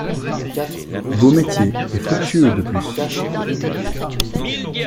Beau métier, et fructueux, de plus!